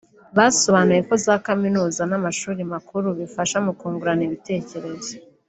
Basobanuye ko za Kaminuza n’amashuri makuru bifasha mu kungurana ibitekerezo